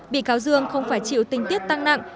bị cáo dương không phải chịu tình tiết tăng nặng